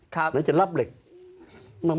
ครับจะรับเลยมาไม่ได้